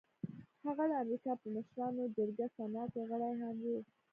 هغه د امريکا په مشرانو جرګه سنا کې غړی هم و.